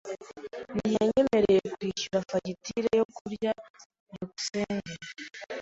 Ntiyanyemereye kwishyura fagitire yo kurya. byukusenge